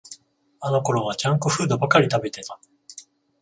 あのころはジャンクフードばかり食べてた